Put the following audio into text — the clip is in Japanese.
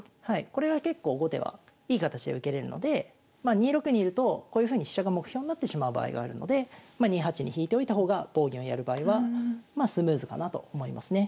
これが結構後手はいい形で受けれるのでまあ２六にいるとこういうふうに飛車が目標になってしまう場合があるのでま２八に引いておいた方が棒銀をやる場合はまあスムーズかなと思いますね。